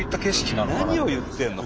何を言ってるの？